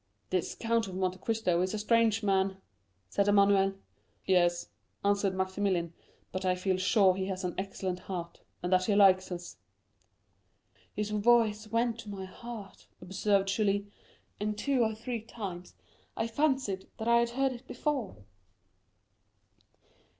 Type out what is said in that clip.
"This Count of Monte Cristo is a strange man," said Emmanuel. "Yes," answered Maximilian, "but I feel sure he has an excellent heart, and that he likes us." "His voice went to my heart," observed Julie; "and two or three times I fancied that I had heard it before."